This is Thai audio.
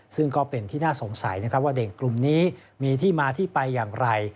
ซึ่งก็เป็นที่น่าสงสัยนะครับว่าเด็กกลุ่มนี้มีที่มาที่ไปอย่างไร